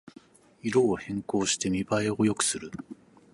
色を変更して見ばえを良くする